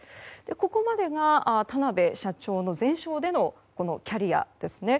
ここまでが田邊社長のゼンショーでのキャリアです。